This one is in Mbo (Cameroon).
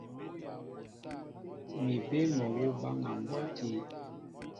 Mi bé mol awǔ baŋa mbɔ́ti.